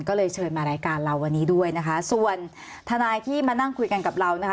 ก็เลยเชิญมารายการเราวันนี้ด้วยนะคะส่วนทนายที่มานั่งคุยกันกับเรานะคะ